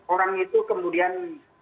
orang itu kemudian